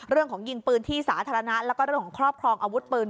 ยิงปืนที่สาธารณะแล้วก็เรื่องของครอบครองอาวุธปืน